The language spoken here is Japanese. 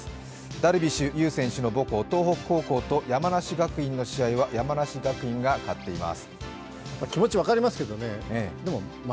ダルビッシュ有選手の母校、東北高校と山梨学院の試合は山梨学院が勝っています。